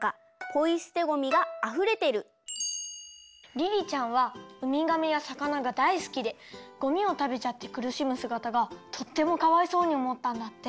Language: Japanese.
璃莉ちゃんはうみがめやさかながだいすきでごみをたべちゃってくるしむすがたがとってもかわいそうにおもったんだって。